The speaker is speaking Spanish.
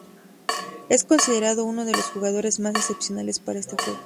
Es considerado uno de los jugadores más excepcionales para este juego.